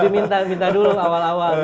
minta dulu awal awal